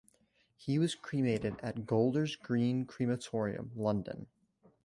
He was cremated at Golders Green Crematorium, London.